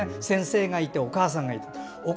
先生がいて、お母さんがいる。